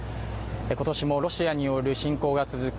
今年もロシアによる侵攻が続く